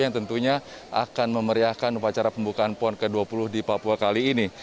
yang tentunya akan memeriahkan upacara pembukaan pon ke dua puluh di papua kali ini